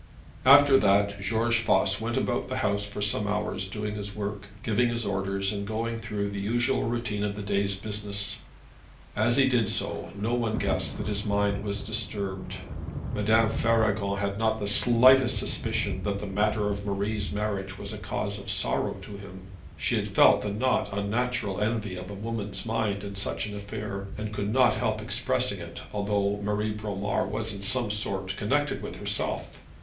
After that George Voss went about the house for some hours, doing his work, giving his orders, and going through the usual routine of his day's business. As he did so, no one guessed that his mind was disturbed. Madame Faragon had not the slightest suspicion that the matter of Marie's marriage was a cause of sorrow to him. She had felt the not unnatural envy of a woman's mind in such an affair, and could not help expressing it, although Marie Bromar was in some sort connected with herself.